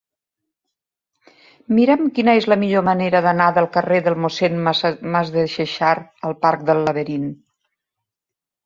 Mira'm quina és la millor manera d'anar del carrer de Mossèn Masdexexart al parc del Laberint.